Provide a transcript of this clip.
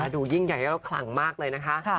ดูยิ่งใหญ่ก็คลั่งมากเลยนะคะ